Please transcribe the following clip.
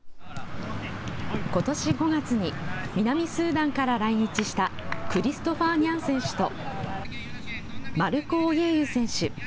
ことし５月に南スーダンから来日したクリストファー・ニャン選手とマルコ・オイェユ選手。